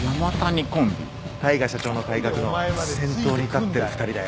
大海社長の改革の先頭に立ってる２人だよ。